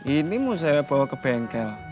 ini mau saya bawa ke bengkel